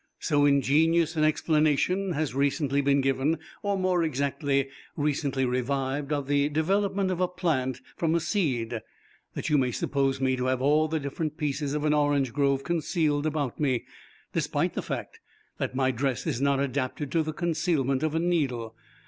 "So ingenious an explanation has recently been given or, more exactly, recently revived of the development of a plant from a seed, that you may suppose me to have all the different pieces of an orange grove concealed about me, despite the fact that my dress is not adapted to the concealment of a needle.